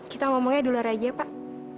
kita ngomongnya dolar aja pak